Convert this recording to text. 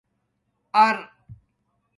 اَر